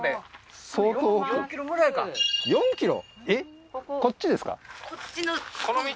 ４ｋｍ？